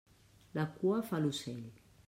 La cua fa l'ocell.